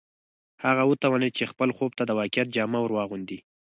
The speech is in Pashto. هغه وتوانېد چې خپل خوب ته د واقعیت جامه ور واغوندي